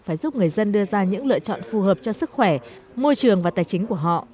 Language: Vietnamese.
phải giúp người dân đưa ra những lựa chọn phù hợp cho sức khỏe môi trường và tài chính của họ